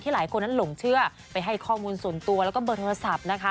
หลายคนนั้นหลงเชื่อไปให้ข้อมูลส่วนตัวแล้วก็เบอร์โทรศัพท์นะคะ